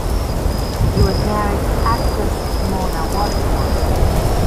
He was married to actress Mona Washbourne.